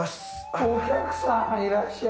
お客さんいらっしゃい。